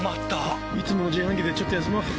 いつもの自販機でちょっと休ませて。